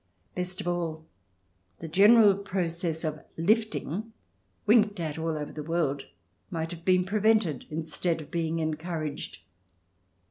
Best of all, the general process of " lifting," winked at all over the world, might have been pre vented, instead of being encouraged.